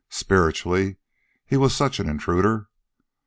Spiritually he was such an intruder.